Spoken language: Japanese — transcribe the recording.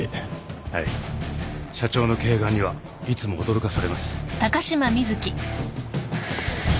社長の慧眼にはいつも驚かされます。